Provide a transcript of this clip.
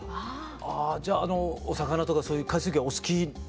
じゃあお魚とかそういう海水魚はお好き？